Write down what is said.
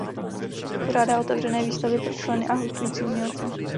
Pořádá otevřené výstavy pro členy a hostující umělce.